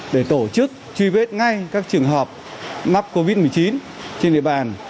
để tổ chức truy vết ngay các trường hợp mắc covid một mươi chín trên địa bàn